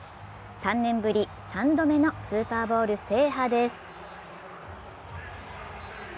３年ぶり、３度目のスーパーボウル制覇です。